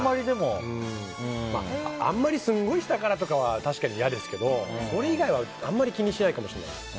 あんまり、すごい下からとかは確かに嫌ですけどそれ以外はあんまり気にしないかもしれないです。